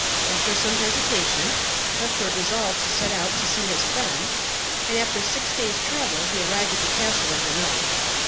After some hesitation, Cuthbert resolved to set out to see his friend, and after six days' travel he arrived at the castle of the knight.